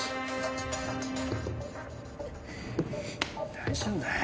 大丈夫だよ。